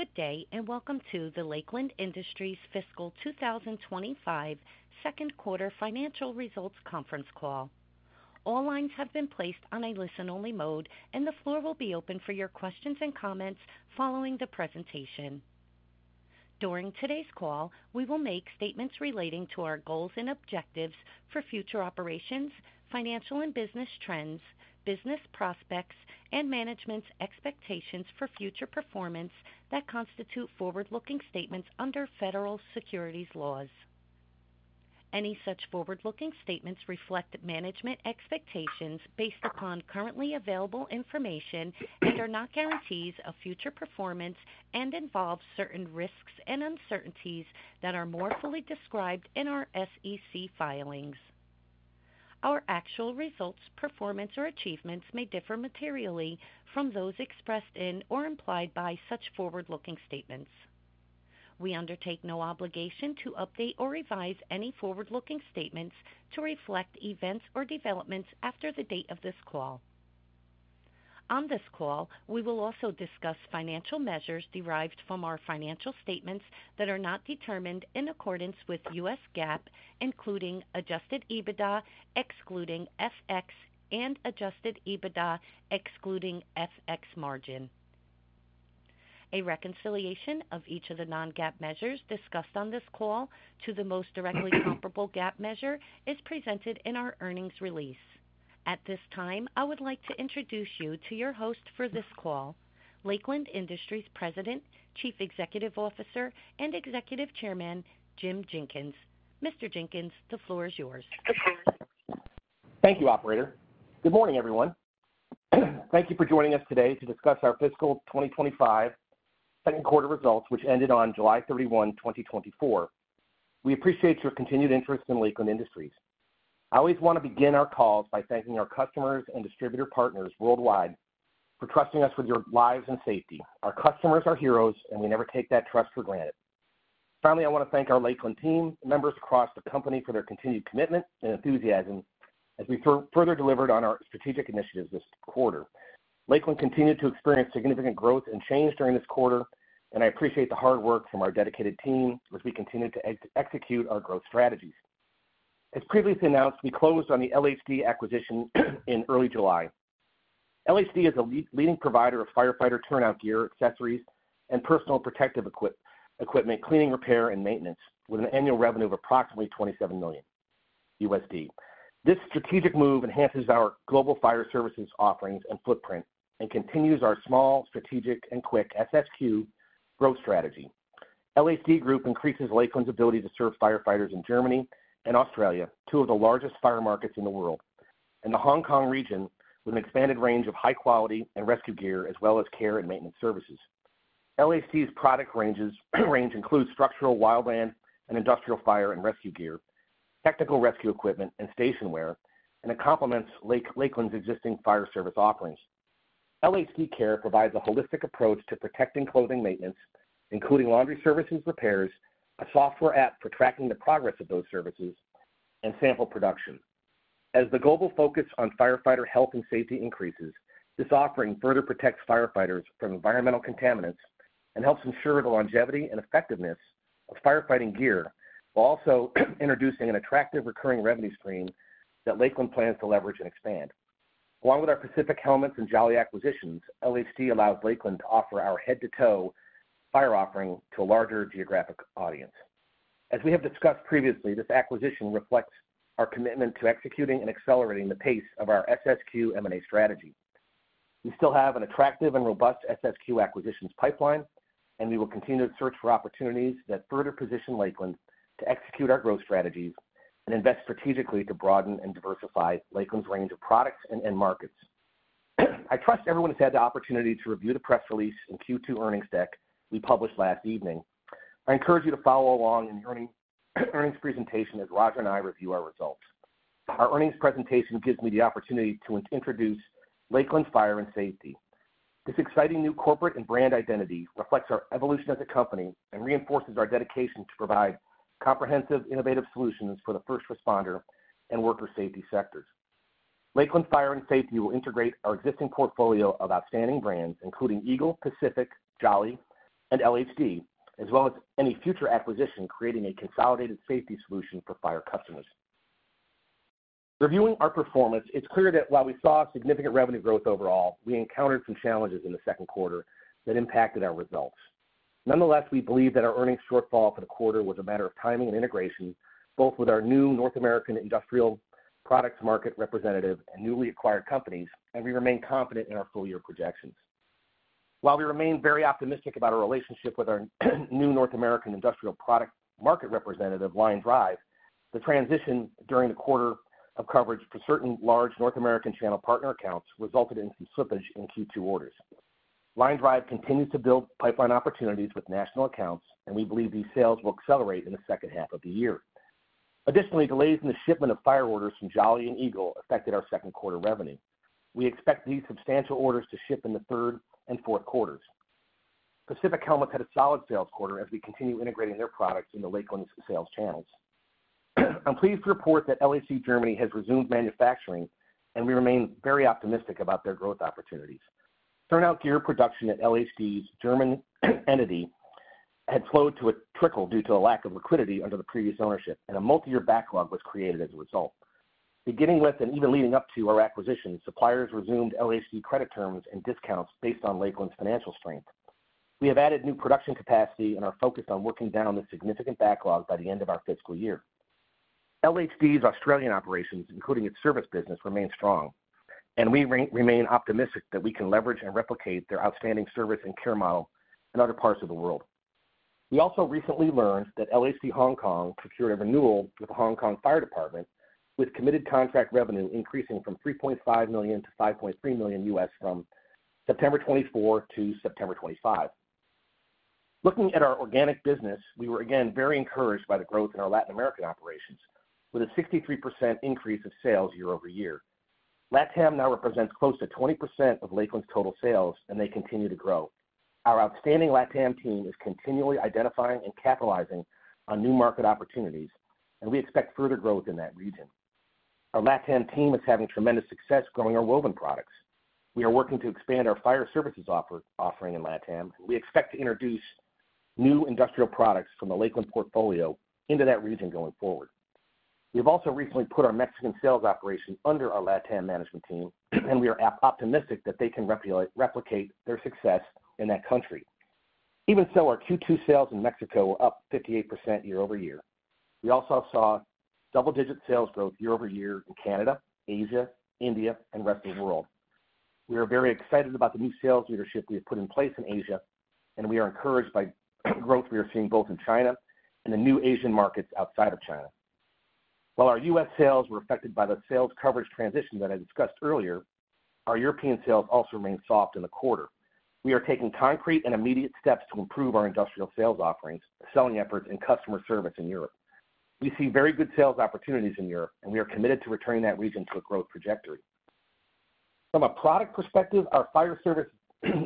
Good day, and welcome to the Lakeland Industries Fiscal 2025 Second Quarter Financial Results Conference Call. All lines have been placed on a listen-only mode, and the floor will be open for your questions and comments following the presentation. During today's call, we will make statements relating to our goals and objectives for future operations, financial and business trends, business prospects, and management's expectations for future performance that constitute forward-looking statements under federal securities laws. Any such forward-looking statements reflect management expectations based upon currently available information and are not guarantees of future performance and involve certain risks and uncertainties that are more fully described in our SEC filings. Our actual results, performance, or achievements may differ materially from those expressed in or implied by such forward-looking statements. We undertake no obligation to update or revise any forward-looking statements to reflect events or developments after the date of this call. On this call, we will also discuss financial measures derived from our financial statements that are not determined in accordance with US GAAP, including adjusted EBITDA, excluding FX and adjusted EBITDA, excluding FX margin. A reconciliation of each of the non-GAAP measures discussed on this call to the most directly comparable GAAP measure is presented in our earnings release. At this time, I would like to introduce you to your host for this call, Lakeland Industries President, Chief Executive Officer, and Executive Chairman, Jim Jenkins. Mr. Jenkins, the floor is yours. Thank you, operator. Good morning, everyone. Thank you for joining us today to discuss our fiscal 2025 second quarter results, which ended on July 31, 2024. We appreciate your continued interest in Lakeland Industries. I always want to begin our calls by thanking our customers and distributor partners worldwide for trusting us with your lives and safety. Our customers are heroes, and we never take that trust for granted. Finally, I want to thank our Lakeland team members across the company for their continued commitment and enthusiasm as we further delivered on our strategic initiatives this quarter. Lakeland continued to experience significant growth and change during this quarter, and I appreciate the hard work from our dedicated team as we continued to execute our growth strategies. As previously announced, we closed on the LHD acquisition in early July. LHD is a leading provider of firefighter turnout gear, accessories, and personal protective equipment, cleaning, repair, and maintenance, with an annual revenue of approximately $27 million. This strategic move enhances our global fire services offerings and footprint and continues our small, strategic, and quick SSQ growth strategy. LHD Group increases Lakeland's ability to serve firefighters in Germany and Australia, two of the largest fire markets in the world, and the Hong Kong region, with an expanded range of high quality and rescue gear, as well as care and maintenance services. LHD's product range includes structural, wildland, and industrial fire and rescue gear, technical rescue equipment, and station wear, and it complements Lakeland's existing fire service offerings. LHD Care provides a holistic approach to protective clothing maintenance, including laundry services, repairs, a software app for tracking the progress of those services, and sample production. As the global focus on firefighter health and safety increases, this offering further protects firefighters from environmental contaminants and helps ensure the longevity and effectiveness of firefighting gear, while also introducing an attractive recurring revenue stream that Lakeland plans to leverage and expand. Along with our Pacific Helmets and Jolly acquisitions, LHD allows Lakeland to offer our head-to-toe fire offering to a larger geographic audience. As we have discussed previously, this acquisition reflects our commitment to executing and accelerating the pace of our SSQ M&A strategy. We still have an attractive and robust SSQ acquisitions pipeline, and we will continue to search for opportunities that further position Lakeland to execute our growth strategies and invest strategically to broaden and diversify Lakeland's range of products and end markets. I trust everyone has had the opportunity to review the press release and Q2 earnings deck we published last evening. I encourage you to follow along in the earnings presentation as Roger and I review our results. Our earnings presentation gives me the opportunity to introduce Lakeland Fire and Safety. This exciting new corporate and brand identity reflects our evolution as a company and reinforces our dedication to provide comprehensive, innovative solutions for the first responder and worker safety sectors. Lakeland Fire and Safety will integrate our existing portfolio of outstanding brands, including Eagle, Pacific, Jolly, and LHD, as well as any future acquisition, creating a consolidated safety solution for fire customers. Reviewing our performance, it's clear that while we saw significant revenue growth overall, we encountered some challenges in the second quarter that impacted our results. Nonetheless, we believe that our earnings shortfall for the quarter was a matter of timing and integration, both with our new North American industrial products market representative and newly acquired companies, and we remain confident in our full-year projections. While we remain very optimistic about our relationship with our new North American industrial products market representative, LineDrive, the transition during the quarter of coverage to certain large North American channel partner accounts resulted in some slippage in Q2 orders. LineDrive continues to build pipeline opportunities with national accounts, and we believe these sales will accelerate in the second half of the year. Additionally, delays in the shipment of fire orders from Jolly and Eagle affected our second quarter revenue. We expect these substantial orders to ship in the third and fourth quarters. Pacific Helmets had a solid sales quarter as we continue integrating their products into Lakeland's sales channels. I'm pleased to report that LHD Germany has resumed manufacturing, and we remain very optimistic about their growth opportunities. Turnout gear production at LHD's German entity had slowed to a trickle due to a lack of liquidity under the previous ownership, and a multi-year backlog was created as a result. Beginning with, and even leading up to our acquisition, suppliers resumed LHD credit terms and discounts based on Lakeland's financial strength. We have added new production capacity and are focused on working down the significant backlog by the end of our fiscal year. LHD's Australian operations, including its service business, remain strong, and we remain optimistic that we can leverage and replicate their outstanding service and care model in other parts of the world. We also recently learned that LHD Hong Kong secured a renewal with the Hong Kong Fire Department, with committed contract revenue increasing from $3.5 million-$5.3 million from September 2024 to September 2025. Looking at our organic business, we were again very encouraged by the growth in our Latin American operations, with a 63% increase in sales year-over-year. LATAM now represents close to 20% of Lakeland's total sales, and they continue to grow. Our outstanding LATAM team is continually identifying and capitalizing on new market opportunities, and we expect further growth in that region. Our LATAM team is having tremendous success growing our woven products. We are working to expand our fire services offering in LATAM. We expect to introduce new industrial products from the Lakeland portfolio into that region going forward. We've also recently put our Mexican sales operation under our LATAM management team, and we are optimistic that they can replicate their success in that country. Even so, our Q2 sales in Mexico were up 58% year-over-year. We also saw double-digit sales growth year-over-year in Canada, Asia, India, and rest of the world. We are very excited about the new sales leadership we have put in place in Asia, and we are encouraged by growth we are seeing both in China and the new Asian markets outside of China. While our US sales were affected by the sales coverage transition that I discussed earlier, our European sales also remained soft in the quarter. We are taking concrete and immediate steps to improve our industrial sales offerings, selling efforts and customer service in Europe. We see very good sales opportunities in Europe, and we are committed to returning that region to a growth trajectory. From a product perspective, our fire service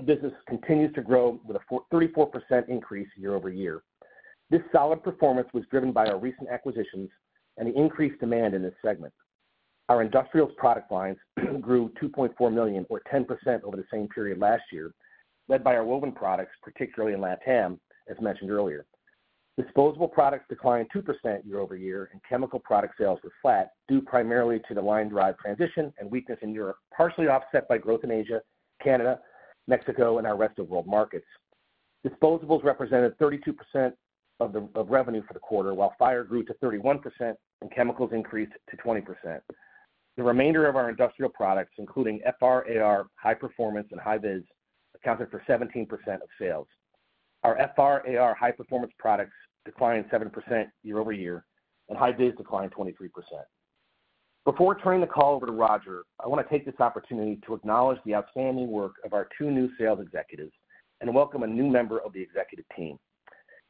business continues to grow with a 44% increase year-over-year. This solid performance was driven by our recent acquisitions and the increased demand in this segment. Our industrials product lines grew $2.4 million or 10% over the same period last year, led by our woven products, particularly in LATAM, as mentioned earlier. Disposable products declined 2% year-over-year, and chemical product sales were flat due primarily to the LineDrive transition and weakness in Europe, partially offset by growth in Asia, Canada, Mexico and our rest of world markets. Disposables represented 32% of revenue for the quarter, while fire grew to 31% and chemicals increased to 20%. The remainder of our industrial products, including FR/AR high performance and Hi-Vis, accounted for 17% of sales. Our FR/AR high-performance products declined 7% year-over-year, and Hi-Vis declined 23%. Before turning the call over to Roger, I want to take this opportunity to acknowledge the outstanding work of our two new sales executives and welcome a new member of the executive team.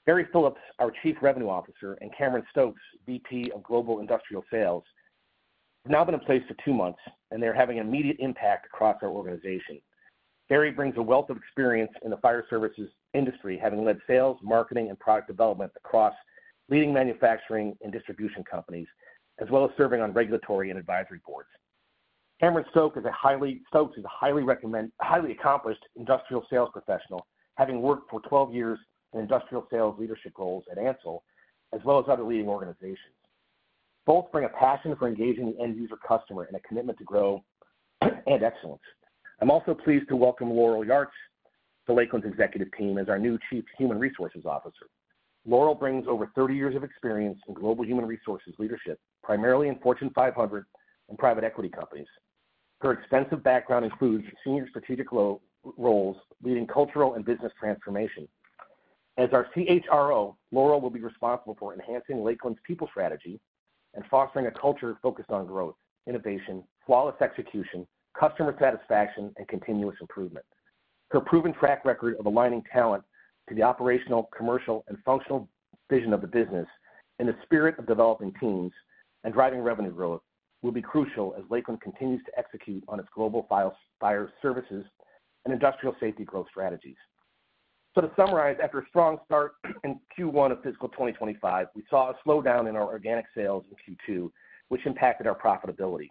Barry Phillips, our Chief Revenue Officer, and Cameron Stokes, VP of Global Industrial Sales, have now been in place for two months, and they are having an immediate impact across our organization. Barry brings a wealth of experience in the fire services industry, having led sales, marketing, and product development across leading manufacturing and distribution companies, as well as serving on regulatory and advisory boards. Cameron Stokes is a highly accomplished industrial sales professional, having worked for twelve years in industrial sales leadership roles at Ansell, as well as other leading organizations. Both bring a passion for engaging the end user customer and a commitment to grow and excellence. I'm also pleased to welcome Laurel Yarch to Lakeland's executive team as our new Chief Human Resources Officer. Laurel brings over thirty years of experience in global human resources leadership, primarily in Fortune 500 and private equity companies. Her extensive background includes senior strategic roles, leading cultural and business transformation. As our CHRO, Laurel will be responsible for enhancing Lakeland's people strategy and fostering a culture focused on growth, innovation, flawless execution, customer satisfaction, and continuous improvement. Her proven track record of aligning talent to the operational, commercial, and functional vision of the business, and the spirit of developing teams and driving revenue growth, will be crucial as Lakeland continues to execute on its global fire services and industrial safety growth strategies. To summarize, after a strong start in Q1 of fiscal 2025, we saw a slowdown in our organic sales in Q2, which impacted our profitability.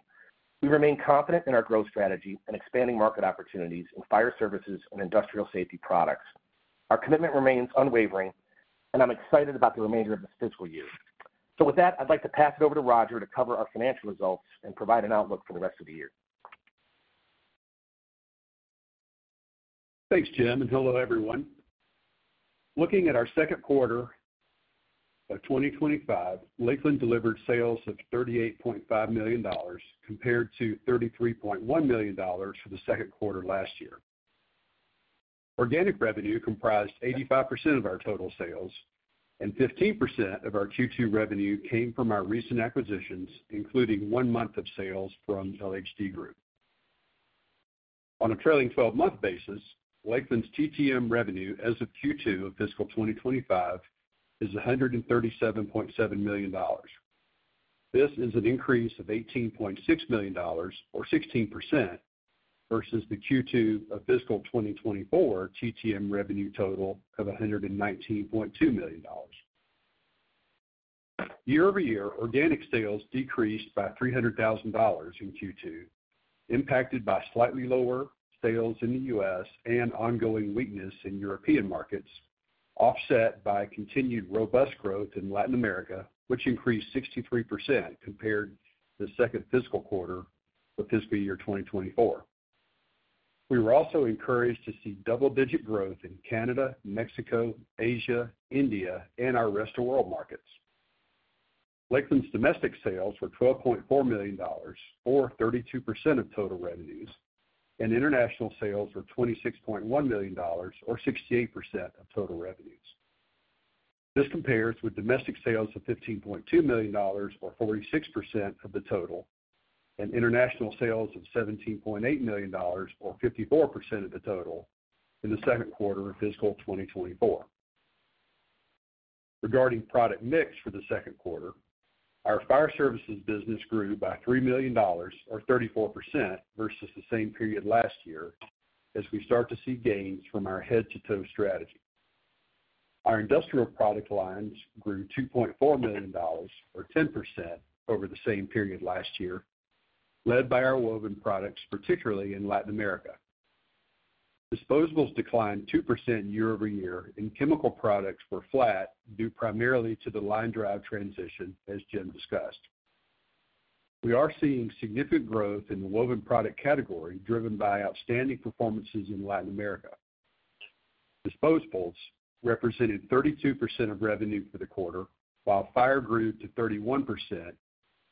We remain confident in our growth strategy and expanding market opportunities in fire services and industrial safety products. Our commitment remains unwavering, and I'm excited about the remainder of this fiscal year. With that, I'd like to pass it over to Roger to cover our financial results and provide an outlook for the rest of the year. Thanks, Jim, and hello, everyone. Looking at our second quarter of 2025, Lakeland delivered sales of $38.5 million, compared to $33.1 million for the second quarter last year. Organic revenue comprised 85% of our total sales, and 15% of our Q2 revenue came from our recent acquisitions, including one month of sales from LHD Group. On a trailing twelve-month basis, Lakeland's TTM revenue as of Q2 of fiscal 2025 is $137.7 million. This is an increase of $18.6 million or 16% versus the Q2 of fiscal 2024 TTM revenue total of $119.2 million. Year-over-year, organic sales decreased by $300,000 in Q2, impacted by slightly lower sales in the U.S. and ongoing weakness in European markets, offset by continued robust growth in Latin America, which increased 63% compared to the second fiscal quarter of fiscal year 2024. We were also encouraged to see double-digit growth in Canada, Mexico, Asia, India, and our rest of world markets. Lakeland's domestic sales were $12.4 million, or 32% of total revenues, and international sales were $26.1 million, or 68% of total revenues. This compares with domestic sales of $15.2 million, or 46% of the total, and international sales of $17.8 million, or 54% of the total, in the second quarter of fiscal 2024. Regarding product mix for the second quarter, our fire services business grew by $3 million, or 34%, versus the same period last year, as we start to see gains from our head-to-toe strategy. Our industrial product lines grew $2.4 million, or 10%, over the same period last year, led by our woven products, particularly in Latin America. Disposables declined 2% year-over-year, and chemical products were flat, due primarily to the LineDrive transition, as Jim discussed. We are seeing significant growth in the woven product category, driven by outstanding performances in Latin America. Disposables represented 32% of revenue for the quarter, while fire grew to 31%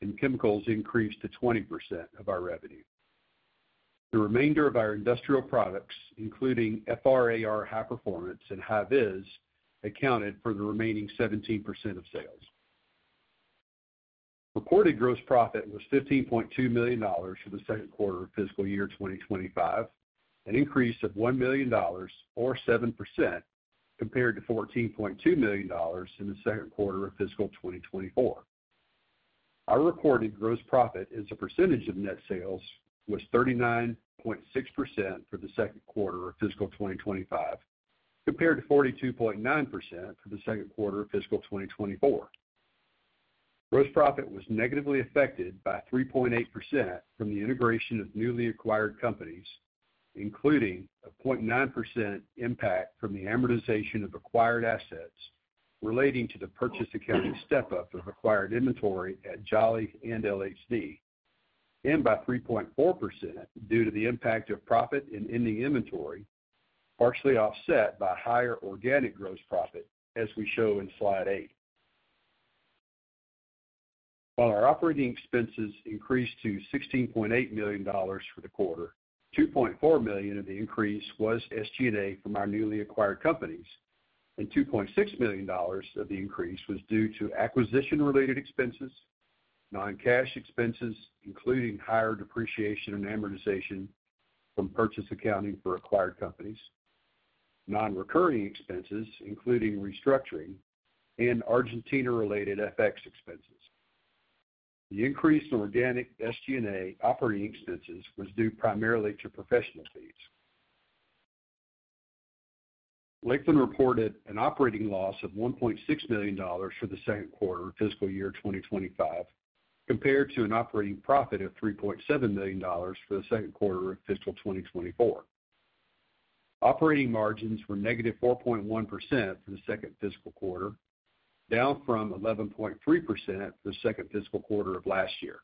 and chemicals increased to 20% of our revenue. The remainder of our industrial products, including FR/AR, high performance, and Hi-Vis, accounted for the remaining 17% of sales. Reported gross profit was $15.2 million for the second quarter of fiscal year 2025, an increase of $1 million or 7% compared to $14.2 million in the second quarter of fiscal 2024. Our recorded gross profit as a percentage of net sales was 39.6% for the second quarter of fiscal 2025, compared to 42.9% for the second quarter of fiscal 2024. Gross profit was negatively affected by 3.8% from the integration of newly acquired companies, including a 0.9% impact from the amortization of acquired assets relating to the purchase accounting step-up of acquired inventory at Jolly and LHD, and by 3.4% due to the impact of profit in ending inventory, partially offset by higher organic gross profit, as we show in slide eight. While our operating expenses increased to $16.8 million for the quarter, $2.4 million of the increase was SG&A from our newly acquired companies, and $2.6 million of the increase was due to acquisition-related expenses, non-cash expenses, including higher depreciation and amortization from purchase accounting for acquired companies, non-recurring expenses, including restructuring and Argentina-related FX expenses. The increase in organic SG&A operating expenses was due primarily to professional fees. Lakeland reported an operating loss of $1.6 million for the second quarter of fiscal year 2025, compared to an operating profit of $3.7 million for the second quarter of fiscal 2024. Operating margins were -4.1% for the second fiscal quarter, down from 11.3% for the second fiscal quarter of last year.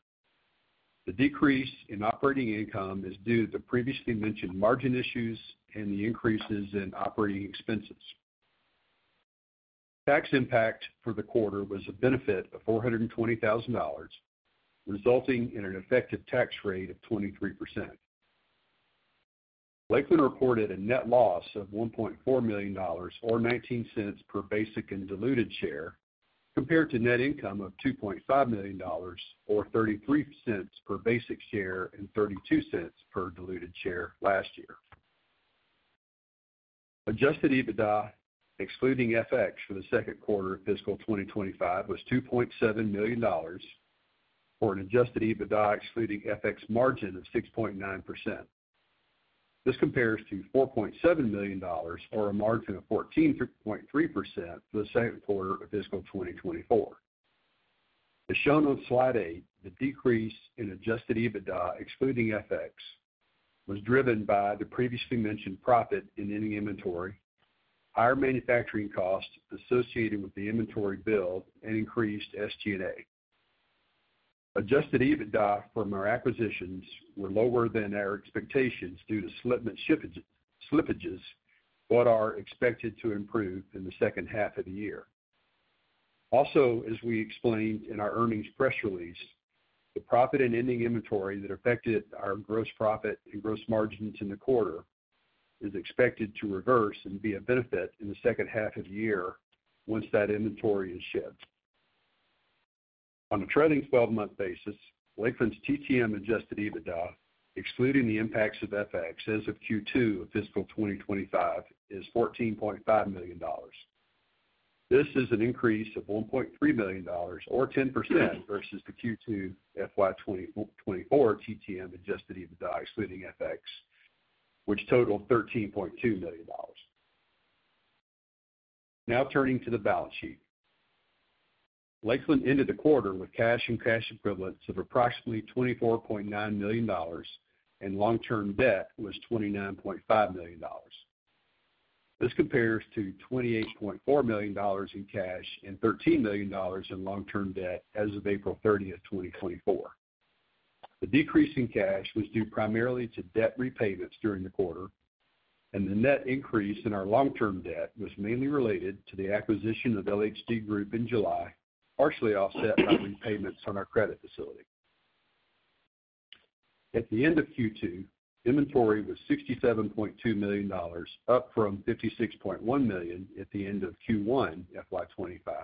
The decrease in operating income is due to the previously mentioned margin issues and the increases in operating expenses. Tax impact for the quarter was a benefit of $420,000, resulting in an effective tax rate of 23%. Lakeland reported a net loss of $1.4 million, or $0.19 per basic and diluted share, compared to net income of $2.5 million, or $0.33 per basic share and $0.32 per diluted share last year. Adjusted EBITDA, excluding FX, for the second quarter of fiscal 2025, was $2.7 million, or an adjusted EBITDA excluding FX margin of 6.9%. This compares to $4.7 million, or a margin of 14.3% for the second quarter of fiscal 2024. As shown on slide eight, the decrease in adjusted EBITDA, excluding FX, was driven by the previously mentioned profit in ending inventory, higher manufacturing costs associated with the inventory build and increased SG&A. Adjusted EBITDA from our acquisitions were lower than our expectations due to slippage, but are expected to improve in the second half of the year. Also, as we explained in our earnings press release, the profit in ending inventory that affected our gross profit and gross margins in the quarter is expected to reverse and be a benefit in the second half of the year once that inventory is shipped. On a trailing twelve-month basis, Lakeland's TTM adjusted EBITDA, excluding the impacts of FX as of Q2 of fiscal 2025, is $14.5 million. This is an increase of $1.3 million or 10% versus the Q2 FY 2024 TTM adjusted EBITDA, excluding FX, which totaled $13.2 million. Now turning to the balance sheet. Lakeland ended the quarter with cash and cash equivalents of approximately $24.9 million, and long-term debt was $29.5 million. This compares to $28.4 million in cash and $13 million in long-term debt as of April 30th 2024. The decrease in cash was due primarily to debt repayments during the quarter, and the net increase in our long-term debt was mainly related to the acquisition of LHD Group in July, partially offset by repayments on our credit facility. At the end of Q2, inventory was $67.2 million, up from $56.1 million at the end of Q1, FY 2025,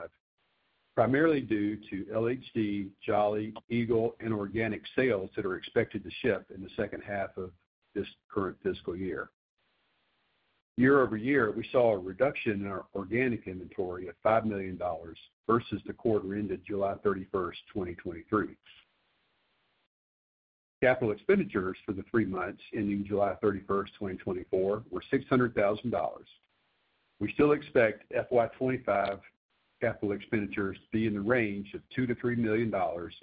primarily due to LHD, Jolly, Eagle, and organic sales that are expected to ship in the second half of this current fiscal year. Year-over-year, we saw a reduction in our organic inventory of $5 million versus the quarter ended July 31st 2023. Capital expenditures for the three months ending July 31st 2024, were $600,000. We still expect FY 2025 capital expenditures to be in the range of $2 million-$3 million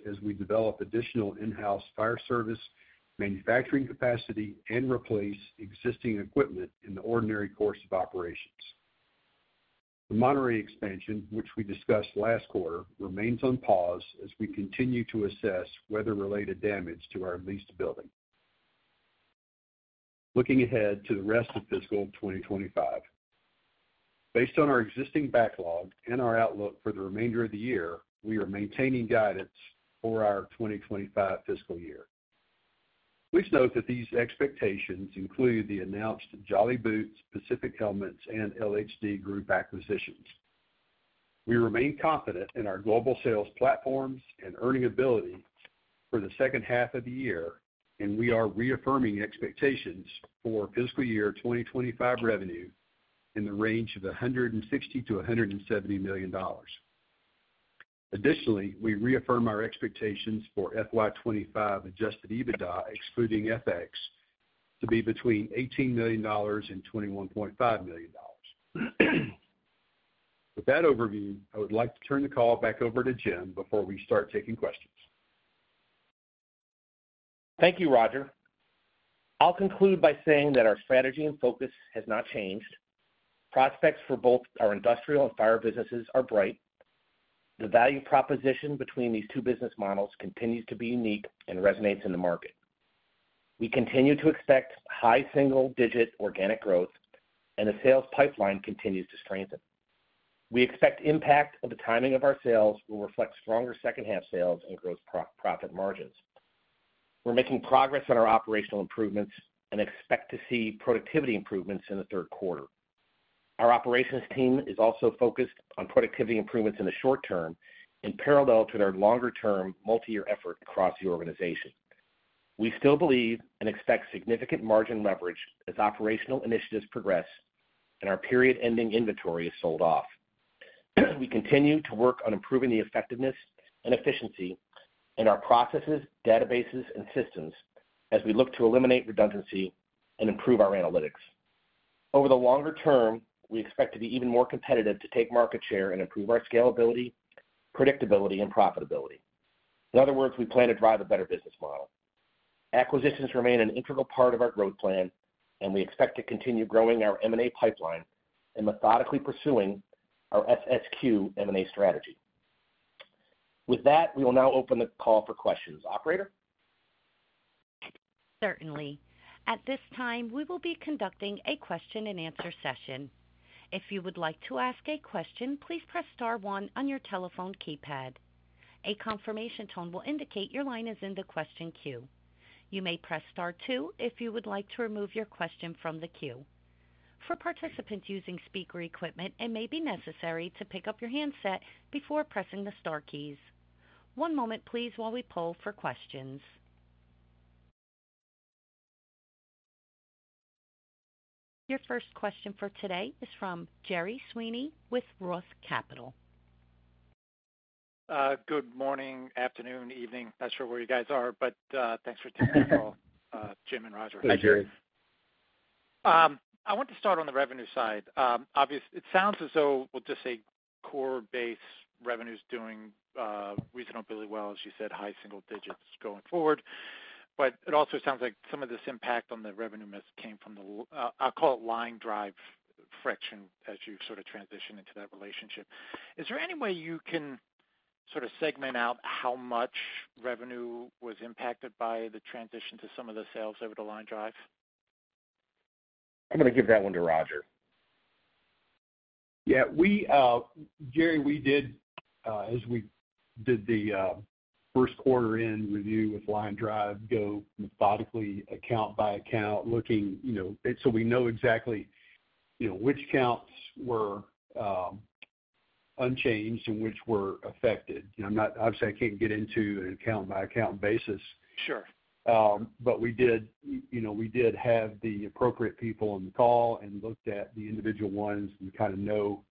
as we develop additional in-house fire service manufacturing capacity and replace existing equipment in the ordinary course of operations. The Monterrey expansion, which we discussed last quarter, remains on pause as we continue to assess weather-related damage to our leased building. Looking ahead to the rest of fiscal 2025. Based on our existing backlog and our outlook for the remainder of the year, we are maintaining guidance for our 2025 fiscal year. Please note that these expectations include the announced Jolly Boots, Pacific Helmets, and LHD Group acquisitions. We remain confident in our global sales platforms and earning ability for the second half of the year, and we are reaffirming expectations for fiscal year 2025 revenue in the range of $160 million-$170 million. Additionally, we reaffirm our expectations for FY 2025 Adjusted EBITDA, excluding FX, to be between $18 million and $21.5 million. With that overview, I would like to turn the call back over to Jim before we start taking questions. Thank you, Roger. I'll conclude by saying that our strategy and focus has not changed. Prospects for both our industrial and fire businesses are bright. The value proposition between these two business models continues to be unique and resonates in the market. We continue to expect high single-digit organic growth, and the sales pipeline continues to strengthen. We expect impact of the timing of our sales will reflect stronger second-half sales and gross profit margins. We're making progress on our operational improvements and expect to see productivity improvements in the third quarter. Our operations team is also focused on productivity improvements in the short term, in parallel to their longer-term, multi-year effort across the organization. We still believe and expect significant margin leverage as operational initiatives progress and our period-ending inventory is sold off. We continue to work on improving the effectiveness and efficiency in our processes, databases, and systems as we look to eliminate redundancy and improve our analytics. Over the longer term, we expect to be even more competitive to take market share and improve our scalability, predictability, and profitability. In other words, we plan to drive a better business model. Acquisitions remain an integral part of our growth plan, and we expect to continue growing our M&A pipeline and methodically pursuing our SSQ M&A strategy. With that, we will now open the call for questions. Operator? Certainly. At this time, we will be conducting a question-and-answer session. If you would like to ask a question, please press star one on your telephone keypad. A confirmation tone will indicate your line is in the question queue. You may press star two if you would like to remove your question from the queue. For participants using speaker equipment, it may be necessary to pick up your handset before pressing the star keys. One moment, please, while we poll for questions. Your first question for today is from Gerry Sweeney with Roth Capital. Good morning, afternoon, evening. Not sure where you guys are, but, thanks for taking the call, Jim and Roger. Hi, Gerry. I want to start on the revenue side. Obviously, it sounds as though we'll just say core base revenue is doing reasonably well, as you said, high single digits going forward. But it also sounds like some of this impact on the revenue miss came from the LineDrive friction, as you sort of transition into that relationship. Is there any way you can sort of segment out how much revenue was impacted by the transition to some of the sales over to LineDrive? I'm gonna give that one to Roger. Yeah, we, Gerry, we did, as we did the first quarter end review with LineDrive, go methodically account by account, looking, you know, so we know exactly, you know, which accounts were, unchanged and which were affected. You know, I'm not obviously, I can't get into an account-by-account basis. Sure. But we did, you know, we did have the appropriate people on the call and looked at the individual ones and kind of know,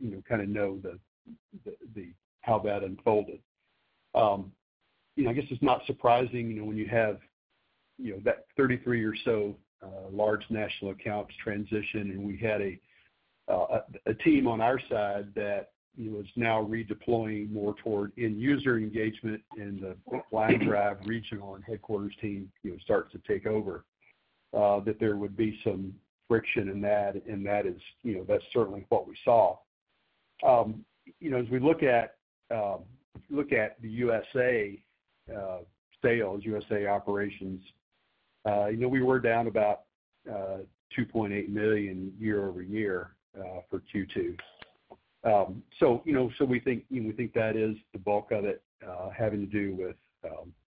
you know, kind of know the, the, how that unfolded.... You know, I guess it's not surprising, you know, when you have, you know, that thirty-three or so, large national accounts transition, and we had a, a team on our side that, you know, is now redeploying more toward end user engagement and the LineDrive regional and headquarters team, you know, starts to take over, that there would be some friction in that, and that is, you know, that's certainly what we saw. You know, as we look at, look at the USA, sales, USA operations, you know, we were down about, $2.8 million year-over-year, for Q2. So, you know, so we think, we think that is the bulk of it, having to do with,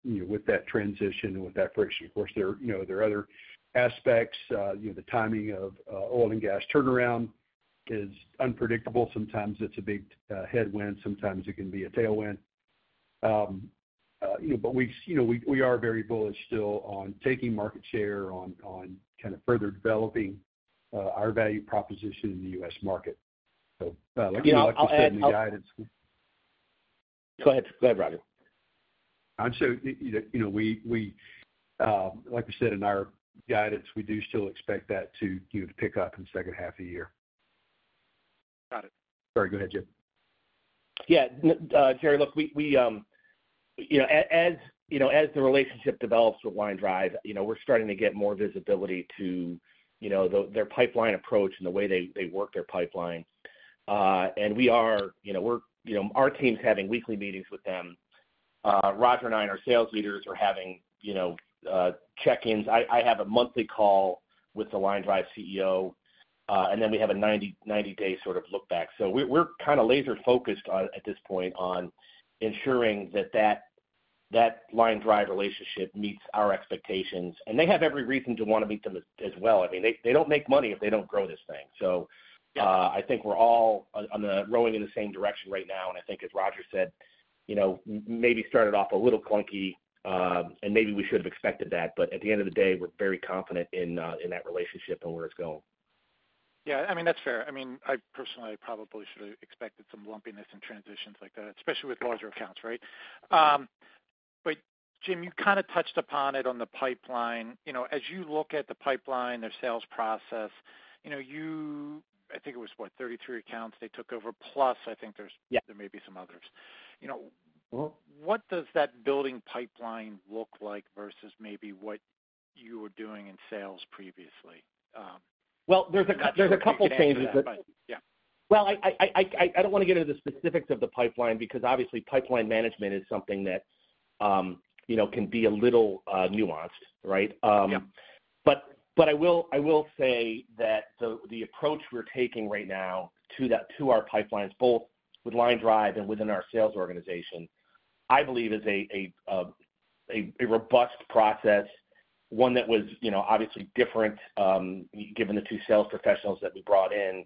you know, with that transition, with that friction. Of course, there, you know, there are other aspects, you know, the timing of, oil and gas turnaround is unpredictable. Sometimes it's a big, headwind, sometimes it can be a tailwind. You know, but we've, you know, we, we are very bullish still on taking market share, on, on kind of further developing, our value proposition in the US market. So, like we said in the guidance- Go ahead. Go ahead, Roger. I'd say, you know, we like we said in our guidance, we do still expect that to, you know, pick up in the second half of the year. Got it. Sorry, go ahead, Jim. Yeah. Gerry, look, we, you know, as the relationship develops with LineDrive, you know, we're starting to get more visibility to their pipeline approach and the way they work their pipeline. And we are, you know, we're, you know, our team's having weekly meetings with them. Roger and I, and our sales leaders are having check-ins. I have a monthly call with the LineDrive CEO, and then we have a 90-day sort of look back. So we're kind of laser focused on, at this point, on ensuring that LineDrive relationship meets our expectations, and they have every reason to want to meet them as well. I mean, they don't make money if they don't grow this thing. So, I think we're all rowing in the same direction right now, and I think as Roger said, you know, maybe started off a little clunky, and maybe we should have expected that, but at the end of the day, we're very confident in that relationship and where it's going. Yeah, I mean, that's fair. I mean, I personally, I probably should have expected some lumpiness in transitions like that, especially with larger accounts, right? But Jim, you kind of touched upon it on the pipeline. You know, as you look at the pipeline, their sales process, you know, you -- I think it was, what, 33 accounts they took over, plus I think there's- Yeah. There may be some others. You know, what does that building pipeline look like versus maybe what you were doing in sales previously? There's a couple changes, but- Yeah. I don't want to get into the specifics of the pipeline because, obviously, pipeline management is something that, you know, can be a little nuanced, right? Yeah. But, I will say that the approach we're taking right now to that, to our pipelines, both with LineDrive and within our sales organization, I believe is a robust process, one that was, you know, obviously different, given the two sales professionals that we brought in,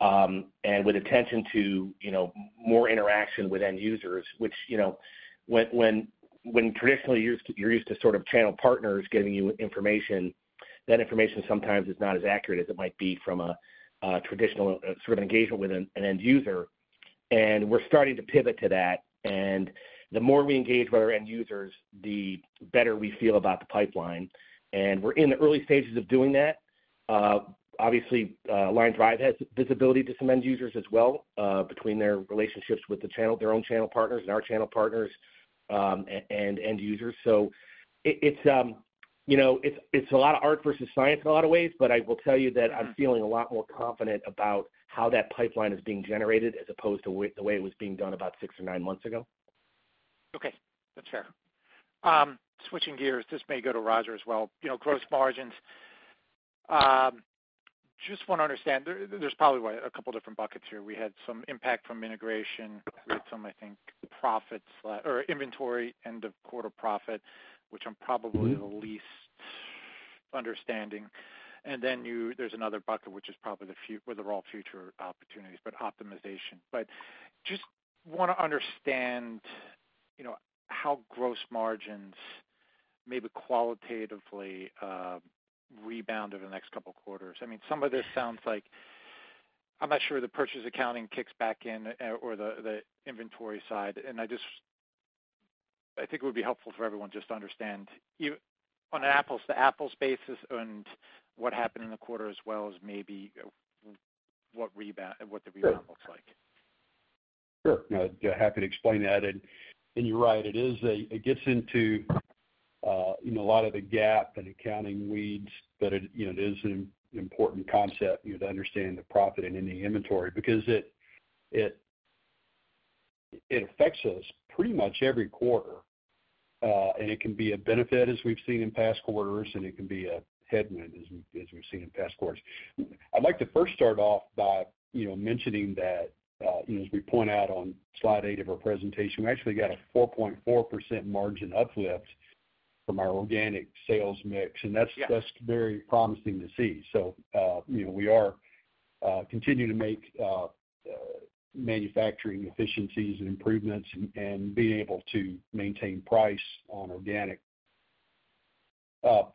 and with attention to, you know, more interaction with end users, which, you know, when traditionally you're used to sort of channel partners giving you information, that information sometimes is not as accurate as it might be from a traditional, sort of engagement with an end user. And we're starting to pivot to that, and the more we engage with our end users, the better we feel about the pipeline. And we're in the early stages of doing that. Obviously, LineDrive has visibility to some end users as well, between their relationships with the channel, their own channel partners and our channel partners, and end users. So it's, you know, a lot of art versus science in a lot of ways, but I will tell you that I'm feeling a lot more confident about how that pipeline is being generated as opposed to the way it was being done about six or nine months ago. Okay, that's fair. Switching gears, this may go to Roger as well. You know, gross margins, just want to understand, there's probably what, a couple different buckets here. We had some impact from integration, we had some, I think, profits or inventory, end of quarter profit, which I'm probably the least understanding. And then there's another bucket, which is probably or they're all future opportunities, but optimization. But just want to understand, you know, how gross margins maybe qualitatively rebound over the next couple quarters. I mean, some of this sounds like... I'm not sure the purchase accounting kicks back in, or the inventory side, and I just think it would be helpful for everyone just to understand, on an apples to apples basis and what happened in the quarter, as well as maybe what rebound, what the rebound looks like. Sure. Yeah, happy to explain that, and you're right, it is a, it gets into, you know, a lot of the GAAP and accounting weeds, but it, you know, it is an important concept, you know, to understand the profit and ending inventory because it affects us pretty much every quarter, and it can be a benefit, as we've seen in past quarters, and it can be a headwind, as we've seen in past quarters. I'd like to first start off by, you know, mentioning that, you know, as we point out on slide eight of our presentation, we actually got a 4.4% margin uplift from our organic sales mix, and that's- Yeah... that's very promising to see. So, you know, we are continuing to make manufacturing efficiencies and improvements and being able to maintain price on organic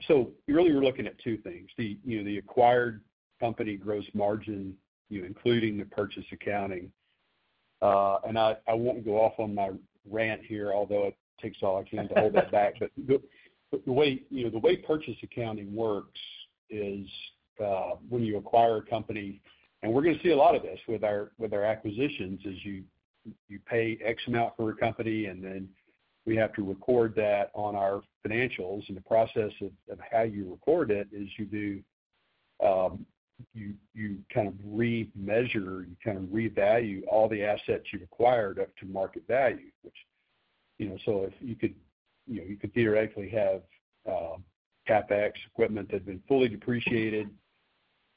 so really, we're looking at two things: the, you know, the acquired company gross margin, you know, including the purchase accounting. And I won't go off on my rant here, although it takes all I can to hold it back. But the way, you know, the way purchase accounting works is, when you acquire a company, and we're gonna see a lot of this with our acquisitions, is you pay X amount for a company, and then we have to record that on our financials. And the process of how you record it is you do you kind of remeasure. You kind of revalue all the assets you've acquired up to market value, which, you know, so if you could, you know, you could theoretically have CapEx equipment that had been fully depreciated.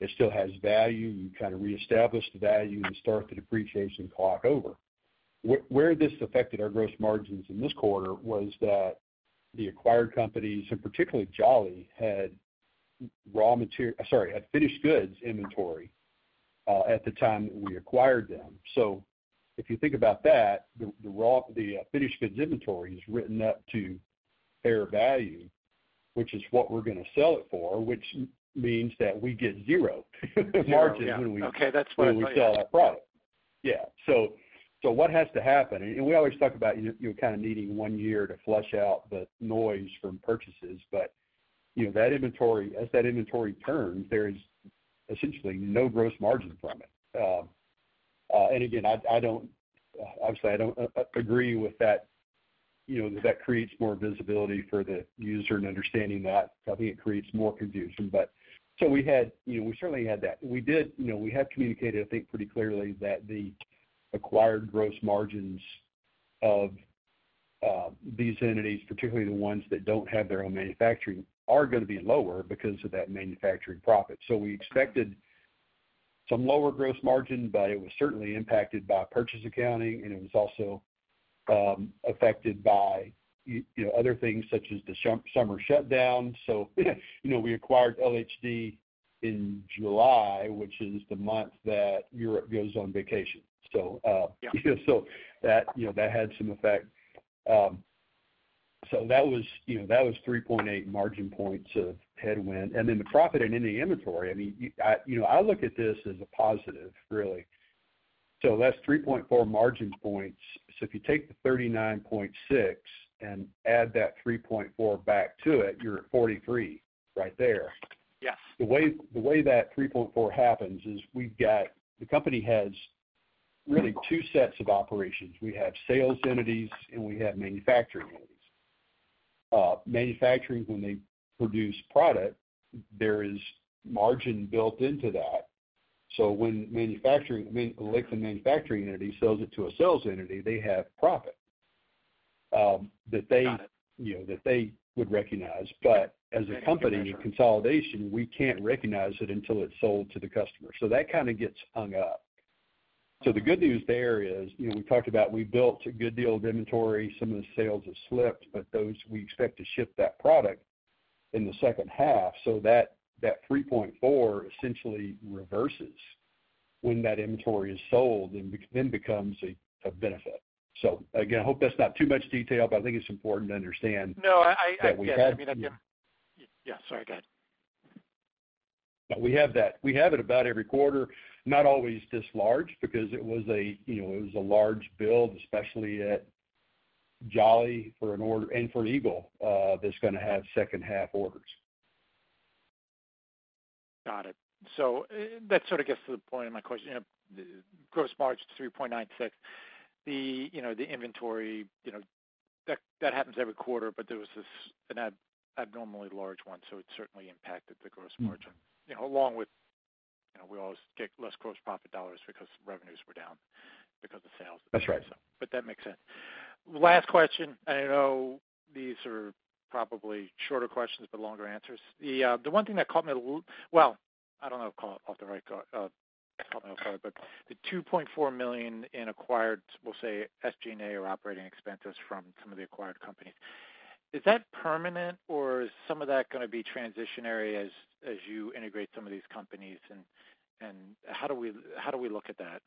It still has value. You kind of reestablish the value and start the depreciation clock over. Where this affected our gross margins in this quarter was that the acquired companies, and particularly Jolly, had finished goods inventory at the time that we acquired them. So if you think about that, the finished goods inventory is written up to fair value, which is what we're gonna sell it for, which means that we get zero margin- Okay, that's what. When we sell that product. Yeah. So what has to happen, and we always talk about you kind of needing one year to flush out the noise from purchases. But, you know, that inventory, as that inventory turns, there is essentially no gross margin from it. And again, I don't, obviously, I don't agree with that, you know, that creates more visibility for the user in understanding that. I think it creates more confusion. But so we had. You know, we certainly had that. We did, you know, we have communicated, I think, pretty clearly that the acquired gross margins of these entities, particularly the ones that don't have their own manufacturing, are gonna be lower because of that manufacturing profit. So we expected some lower gross margin, but it was certainly impacted by purchase accounting, and it was also affected by, you know, other things such as the summer shutdown. So, you know, we acquired LHD in July, which is the month that Europe goes on vacation. So, Yeah. So that, you know, that had some effect. So that was, you know, that was 3.8 margin points of headwind. And then the provision in the inventory, I mean, you know, I look at this as a positive, really. So that's 3.4 margin points. So if you take the 39.6 and add that 3.4 back to it, you're at 43 right there. Yes. The way that 3.4 happens is we've got the company has really two sets of operations. We have sales entities, and we have manufacturing entities. Manufacturing, when they produce product, there is margin built into that. So when the manufacturing entity sells it to a sales entity, they have profit that they- Got it. You know, that they would recognize. But as a company in consolidation, we can't recognize it until it's sold to the customer, so that kind of gets hung up. So the good news there is, you know, we talked about we built a good deal of inventory. Some of the sales have slipped, but those, we expect to ship that product in the second half. So that 3.4 essentially reverses when that inventory is sold, and then becomes a benefit. So again, I hope that's not too much detail, but I think it's important to understand. No, I- - that we had- Yes, I mean, yeah. Yeah, sorry, go ahead. But we have that. We have it about every quarter, not always this large, because it was a, you know, it was a large build, especially at Jolly for an order and for Eagle. That's gonna have second half orders. Got it. So that sort of gets to the point of my question. You know, gross margin, 3.96%. The, you know, the inventory, you know, that happens every quarter, but there was this abnormally large one, so it certainly impacted the gross margin. Mm-hmm. You know, along with, you know, we always get less gross profit dollars because revenues were down, because of sales. That's right. But that makes sense. Last question, and I know these are probably shorter questions, but longer answers. The one thing that caught me off guard, but the $2.4 million in acquired, we'll say, SG&A or operating expenses from some of the acquired companies. Is that permanent, or is some of that gonna be transitory as you integrate some of these companies? And how do we look at that?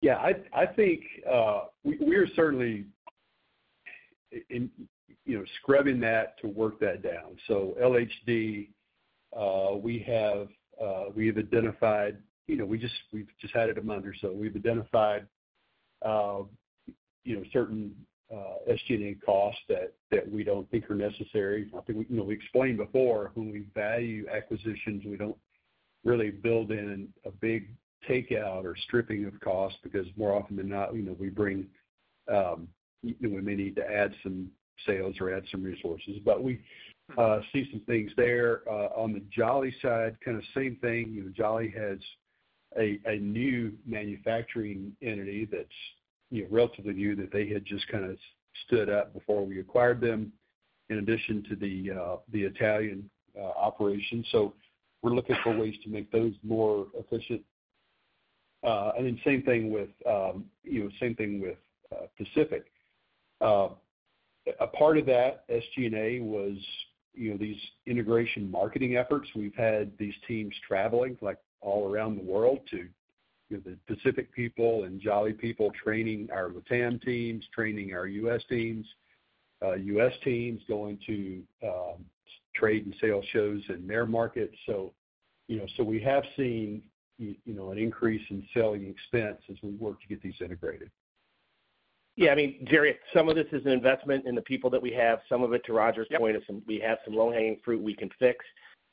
Yeah, I think, we're certainly in, you know, scrubbing that to work that down. So LHD, we have, we've identified, you know, we just, we've just had it a month or so. We've identified, you know, certain, SG&A costs that we don't think are necessary. I think, you know, we explained before, when we value acquisitions, we don't really build in a big takeout or stripping of costs, because more often than not, you know, we bring, you know, we may need to add some sales or add some resources. But we see some things there. On the Jolly side, kind of same thing. You know, Jolly has a new manufacturing entity that's, you know, relatively new, that they had just kind of stood up before we acquired them, in addition to the Italian operation. So we're looking for ways to make those more efficient. And then same thing with Pacific. A part of that SG&A was you know, these integration marketing efforts, we've had these teams traveling, like, all around the world to, you know, the Pacific people and Jolly people training our LATAM teams, training our US teams, US teams going to trade and sales shows in their markets. So you know, so we have seen, you know, an increase in selling expense as we work to get these integrated. Yeah, I mean, Gerry, some of this is an investment in the people that we have, some of it, to Roger's point- Yep. is some. We have some low-hanging fruit we can fix.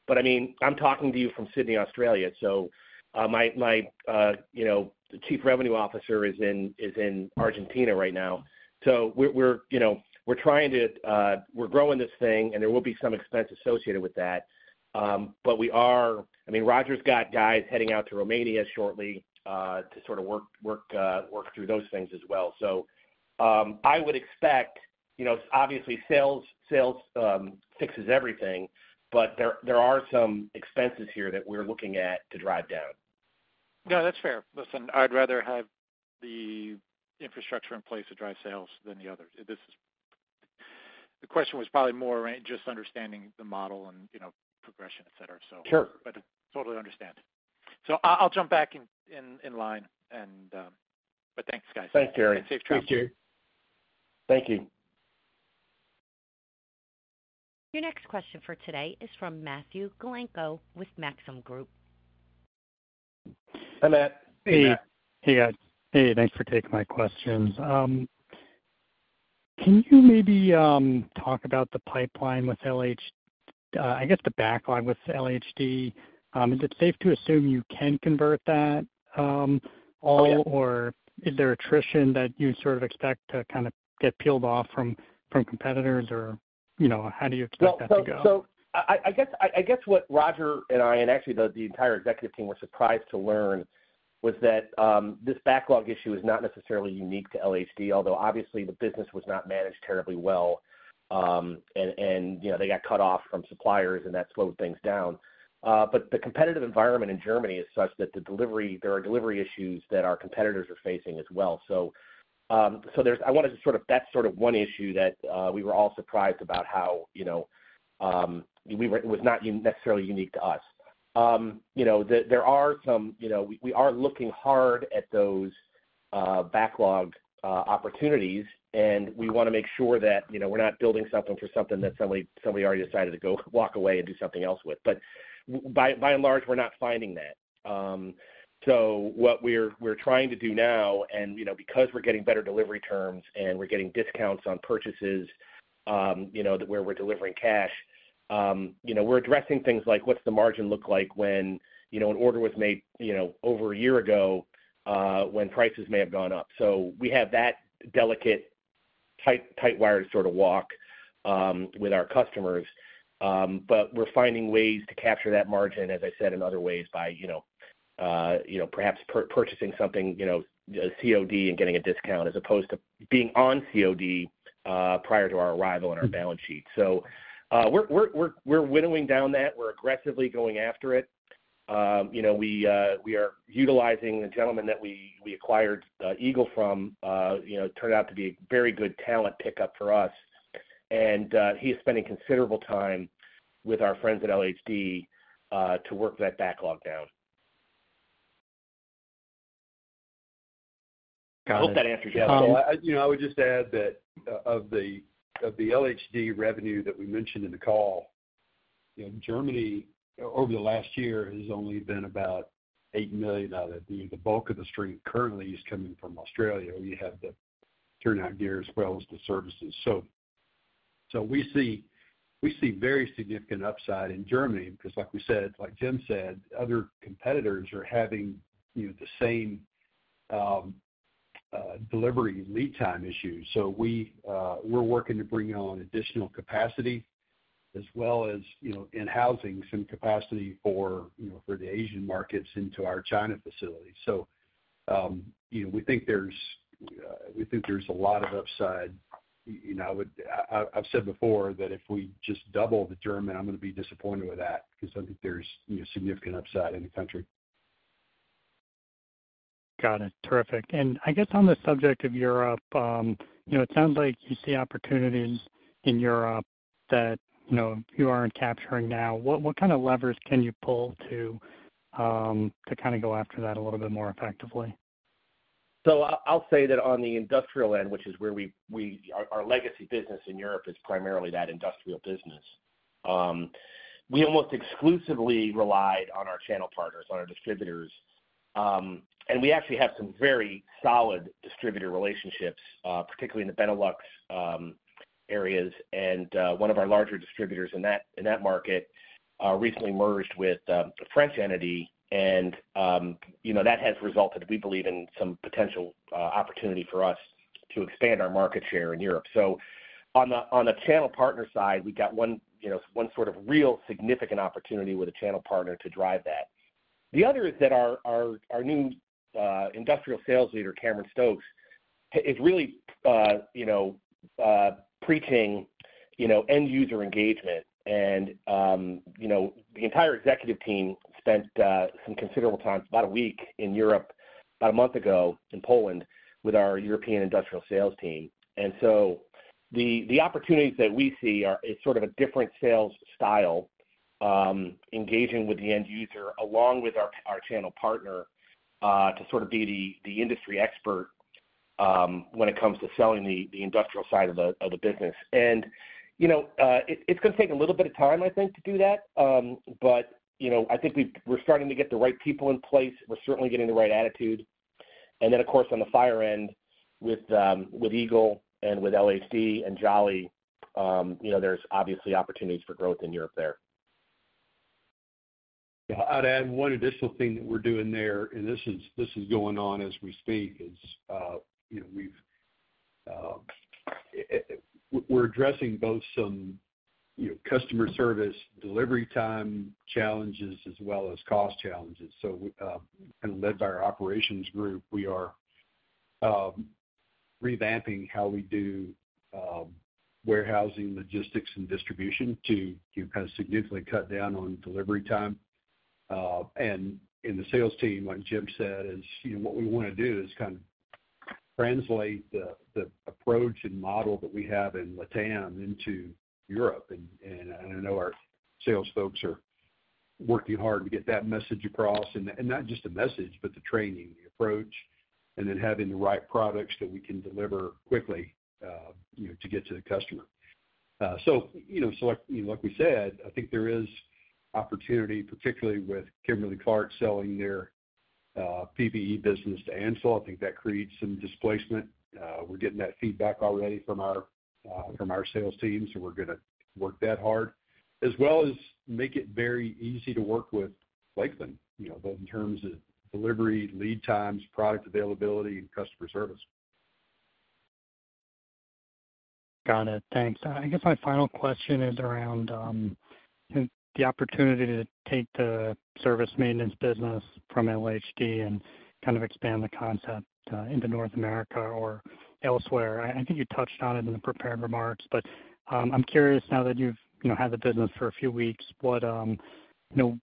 But I mean, I'm talking to you from Sydney, Australia, so you know, the Chief Revenue Officer is in Argentina right now. So we're, you know, we're trying to, we're growing this thing, and there will be some expense associated with that. But we are. I mean, Roger's got guys heading out to Romania shortly, to sort of work through those things as well. So I would expect, you know, obviously, sales fixes everything, but there are some expenses here that we're looking at to drive down. No, that's fair. Listen, I'd rather have the infrastructure in place to drive sales than the other. This is, the question was probably more around just understanding the model and, you know, progression, et cetera, so. Sure. But totally understand. So I'll jump back in line, and but thanks, guys. Thanks, Gerry. Safe travel. Thank you. Your next question for today is from Matthew Galinko with Maxim Group. Hi, Matt. Hey. Hey, guys. Hey, thanks for taking my questions. Can you maybe talk about the pipeline with LH, I guess, the backlog with LHD? Is it safe to assume you can convert that all? Oh, yeah. Or is there attrition that you sort of expect to kind of get peeled off from competitors, or, you know, how do you expect that to go? So I guess what Roger and I and actually the entire executive team were surprised to learn was that this backlog issue is not necessarily unique to LHD, although obviously the business was not managed terribly well, and you know they got cut off from suppliers, and that slowed things down. But the competitive environment in Germany is such that the delivery, there are delivery issues that our competitors are facing as well. So there's that. That's sort of one issue that we were all surprised about how, you know, was not necessarily unique to us. You know, there are some, you know, we are looking hard at those backlog opportunities, and we wanna make sure that, you know, we're not building something for something that somebody already decided to go walk away and do something else with, but by and large, we're not finding that, so what we're trying to do now, and, you know, because we're getting better delivery terms, and we're getting discounts on purchases, you know, that where we're delivering cash, you know, we're addressing things like what's the margin look like when, you know, an order was made, you know, over a year ago, when prices may have gone up, so we have that delicate tightwire sort of walk with our customers. But we're finding ways to capture that margin, as I said, in other ways, by, you know, you know, perhaps purchasing something, you know, COD and getting a discount, as opposed to being on COD, prior to our arrival on our balance sheet. So, we're winnowing down that. We're aggressively going after it. You know, we are utilizing the gentleman that we acquired Eagle from, you know, turned out to be a very good talent pickup for us. And, he is spending considerable time with our friends at LHD, to work that backlog down. I hope that answers your question. Yeah, so I, you know, I would just add that of the LHD revenue that we mentioned in the call, you know, Germany over the last year has only been about $8 million out of it. The bulk of the stream currently is coming from Australia, where you have the turnout gear as well as the services. So we see very significant upside in Germany, because like we said, like Jim said, other competitors are having, you know, the same delivery and lead time issues. So we're working to bring on additional capacity as well as, you know, in-housing some capacity for, you know, for the Asian markets into our China facility. So, you know, we think there's a lot of upside. You know, I've said before that if we just double the German, I'm gonna be disappointed with that because I think there's, you know, significant upside in the country. Got it. Terrific. And I guess on the subject of Europe, you know, it sounds like you see opportunities in Europe that, you know, you aren't capturing now. What kind of levers can you pull to kind of go after that a little bit more effectively? So I'll say that on the industrial end, which is where we, our legacy business in Europe is primarily that industrial business. We almost exclusively relied on our channel partners, on our distributors, and we actually have some very solid distributor relationships, particularly in the Benelux areas. And one of our larger distributors in that market recently merged with a French entity, and you know, that has resulted, we believe, in some potential opportunity for us to expand our market share in Europe. So on the channel partner side, we've got one, you know, one sort of real significant opportunity with a channel partner to drive that. The other is that our new industrial sales leader, Cameron Stokes, is really, you know, preaching end-user engagement. You know, the entire executive team spent some considerable time, about a week in Europe, about a month ago, in Poland with our European industrial sales team. So the opportunities that we see are, it's sort of a different sales style, engaging with the end user, along with our channel partner, to sort of be the industry expert when it comes to selling the industrial side of the business. You know, it's gonna take a little bit of time, I think, to do that. But you know, I think we're starting to get the right people in place. We're certainly getting the right attitude. And then, of course, on the fire end, with Eagle and LHD and Jolly, you know, there's obviously opportunities for growth in Europe there. Yeah, I'd add one additional thing that we're doing there, and this is going on as we speak, is, you know, we've, we're addressing both some, you know, customer service, delivery time challenges, as well as cost challenges. So we, kind of led by our operations group, we are, revamping how we do, warehousing, logistics, and distribution to, to kind of significantly cut down on delivery time. And in the sales team, like Jim said, is, you know, what we wanna do is kind of translate the, the approach and model that we have in LATAM into Europe. I know our sales folks are working hard to get that message across, and not just the message, but the training, the approach, and then having the right products that we can deliver quickly, you know, to get to the customer. You know, so, like, like we said, I think there is opportunity, particularly with Kimberly-Clark selling their PPE business to Ansell. I think that creates some displacement. We're getting that feedback already from our sales team, so we're gonna work that hard, as well as make it very easy to work with Lakeland, you know, both in terms of delivery, lead times, product availability, and customer service. Got it. Thanks. I guess my final question is around the opportunity to take the service maintenance business from LHD and kind of expand the concept into North America or elsewhere. I, I think you touched on it in the prepared remarks, but I'm curious now that you've you know had the business for a few weeks, what you know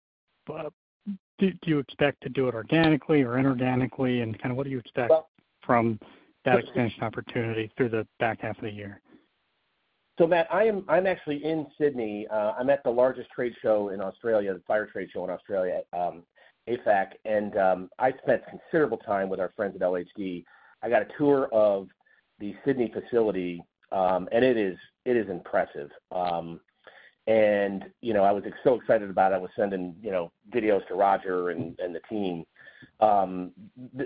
do you expect to do it organically or inorganically? And kind of what do you expect from that expansion opportunity through the back half of the year? So, Matt, I'm actually in Sydney. I'm at the largest trade show in Australia, the fire trade show in Australia, AFAC, and I spent considerable time with our friends at LHD. I got a tour of the Sydney facility, and it is, it is impressive. And, you know, I was so excited about it. I was sending, you know, videos to Roger and the team.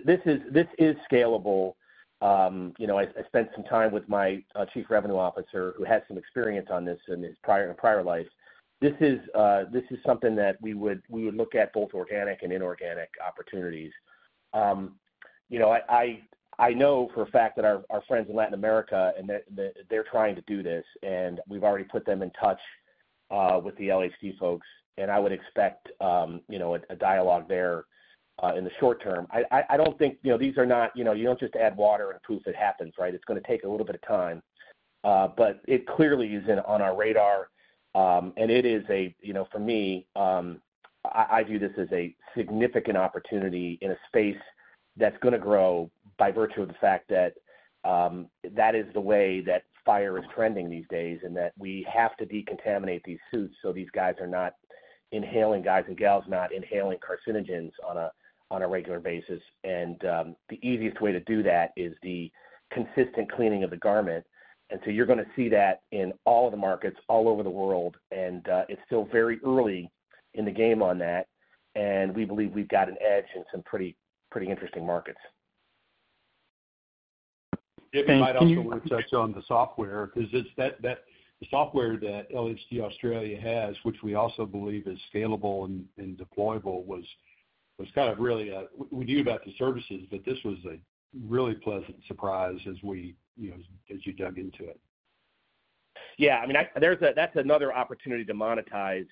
This is, this is scalable. You know, I spent some time with my Chief Revenue Officer, who had some experience on this in his prior, in a prior life. This is something that we would, we would look at both organic and inorganic opportunities. You know, I know for a fact that our friends in Latin America and that they're trying to do this, and we've already put them in touch with the LHD folks, and I would expect you know a dialogue there in the short term. I don't think you know these are not you know you don't just add water and poof it happens right? It's gonna take a little bit of time but it clearly is on our radar. And it is a, you know, for me, I view this as a significant opportunity in a space that's gonna grow by virtue of the fact that that is the way that fire is trending these days, and that we have to decontaminate these suits so these guys are not inhaling, guys and gals, not inhaling carcinogens on a regular basis. And the easiest way to do that is the consistent cleaning of the garment. And so you're gonna see that in all the markets, all over the world, and it's still very early in the game on that, and we believe we've got an edge in some pretty interesting markets. Thank you. You might also want to touch on the software, 'cause it's the software that LHD Australia has, which we also believe is scalable and deployable, was kind of really we knew about the services, but this was a really pleasant surprise as we, you know, as you dug into it. Yeah, I mean, that's another opportunity to monetize,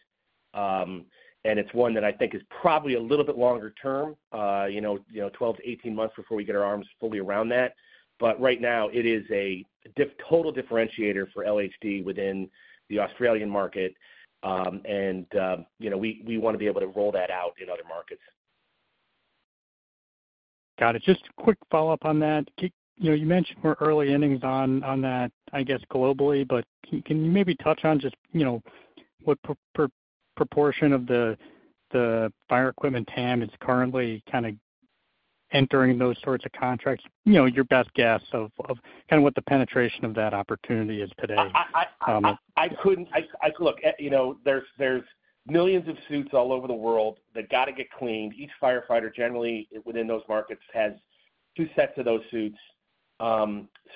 and it's one that I think is probably a little bit longer term, you know, 12-18 months before we get our arms fully around that. But right now, it is a total differentiator for LHD within the Australian market. And, you know, we wanna be able to roll that out in other markets. Got it. Just a quick follow-up on that. You know, you mentioned we're early innings on that, I guess, globally, but can you maybe touch on just, you know, what proportion of the fire equipment TAM is currently kind of entering those sorts of contracts? You know, your best guess of kind of what the penetration of that opportunity is today. I couldn't. Look, you know, there's millions of suits all over the world that gotta get cleaned. Each firefighter, generally, within those markets, has two sets of those suits.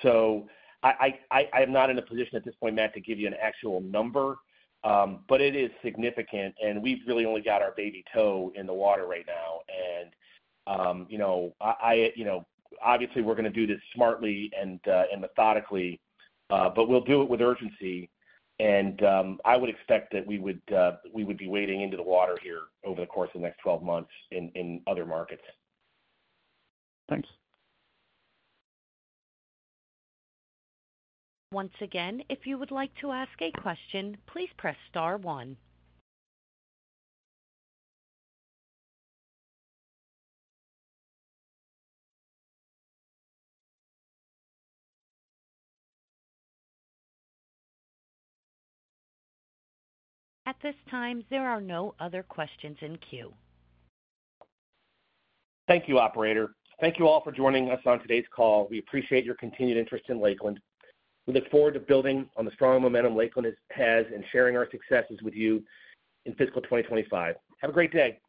So, I'm not in a position at this point, Matt, to give you an actual number, but it is significant, and we've really only got our baby toe in the water right now. You know, obviously, we're gonna do this smartly and methodically, but we'll do it with urgency. I would expect that we would be wading into the water here over the course of the next 12 months in other markets. Thanks. Once again, if you would like to ask a question, please press star one. At this time, there are no other questions in queue. Thank you, operator. Thank you all for joining us on today's call. We appreciate your continued interest in Lakeland. We look forward to building on the strong momentum Lakeland has, and sharing our successes with you in fiscal 2025. Have a great day.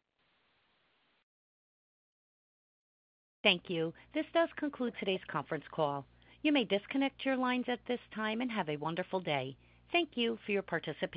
Thank you. This does conclude today's conference call. You may disconnect your lines at this time and have a wonderful day. Thank you for your participation.